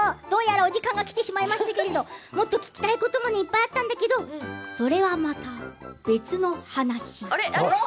どうやらお時間がきてしまいましたけれどももっと聞きたいこともいっぱいあったんだけどそれは、また別の話。